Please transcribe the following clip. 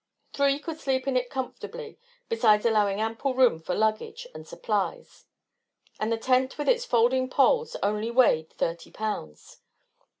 Three could sleep in it comfortably, besides allowing ample room for luggage and supplies; and the tent with its folding poles only weighed thirty pounds.